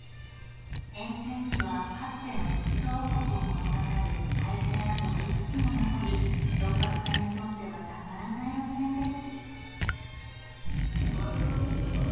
沿線にはかつての鉄道王国を物語る廃線跡がいくつも残り六角さんにとってはたまらない路線です。